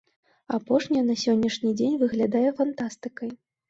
Апошняе на сённяшні дзень выглядае фантастыкай.